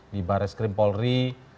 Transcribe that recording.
di bares krim polri